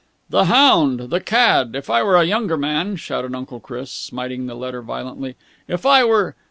"The hound! The cad! If I were a younger man," shouted Uncle Chris, smiting the letter violently, "if I were....